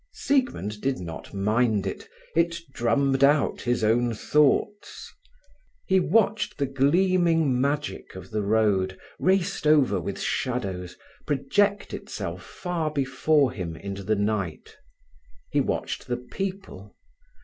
Siegmund did not mind it; it drummed out his own thoughts. He watched the gleaming magic of the road, raced over with shadows, project itself far before him into the night. He watched the people.